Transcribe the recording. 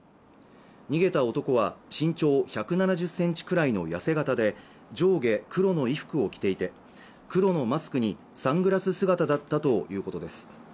逃げた男は身長１７０センチくらいの痩せ形で上下黒の衣服を着ていて黒のマスクにサングラス姿だったということです